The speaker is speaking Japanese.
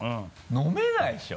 飲めないでしょ。